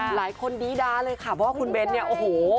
หลายคนดีดาเลยค่ะเพราะว่าคุณเบ้นเนี่ยโอ้โห